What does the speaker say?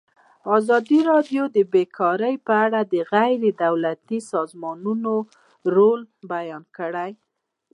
ازادي راډیو د بیکاري په اړه د غیر دولتي سازمانونو رول بیان کړی.